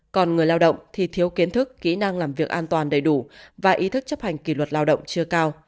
còn người lao động thì thiếu kiến thức kỹ năng làm việc an toàn đầy đủ và ý thức chấp hành kỷ luật lao động chưa cao